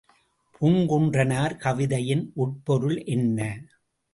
பூங்குன்றனார் கவிதையின் உட்பொருள் என்ன?